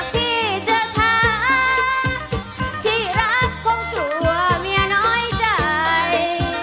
ที่จะท้าที่รักของตัวเมียน้อยใจ